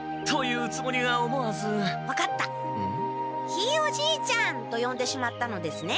「ひいおじいちゃん！」とよんでしまったのですね？